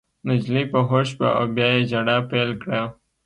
نجلۍ په هوښ شوه او بیا یې ژړا پیل کړه